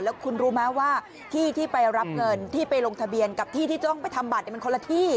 แล้วคุณรู้ไหมว่าที่ที่ไปรับเงินที่ไปลงทะเบียนกับที่ที่ต้องไปทำบัตรมันคนละที่